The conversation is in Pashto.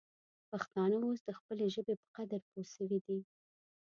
پښتانه اوس د خپلې ژبې په قدر پوه سوي دي.